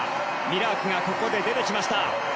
ミラークが出てきました。